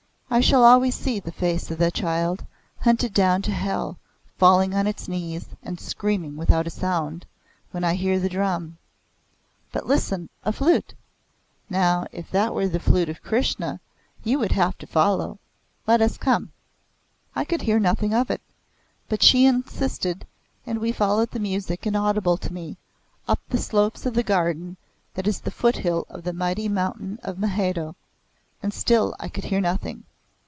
"I shall always see the face of the child, hunted down to hell, falling on its knees, and screaming without a sound, when I hear the drum. But listen a flute! Now if that were the Flute of Krishna you would have to follow. Let us come!" I could hear nothing of it, but she insisted and we followed the music, inaudible to me, up the slopes of the garden that is the foot hill of the mighty mountain of Mahadeo, and still I could hear nothing.